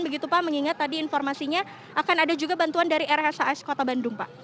begitu pak mengingat tadi informasinya akan ada juga bantuan dari rshs kota bandung pak